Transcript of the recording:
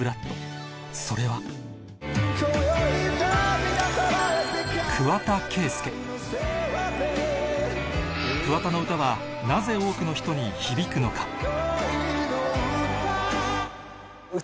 それは桑田の歌はなぜ多くの人に響くのか